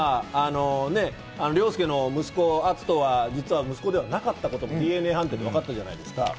凌介の息子・篤斗は実は息子ではなかったということもＤＮＡ判定でわかってるじゃないですか。